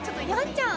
ちゃん